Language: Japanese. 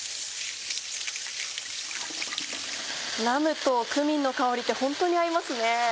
ラムとクミンの香りってホントに合いますね。